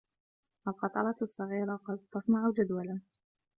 القطرات الصغيرة قد تصنع جدولاً.